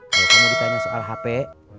kalau kamu ditanya soal hp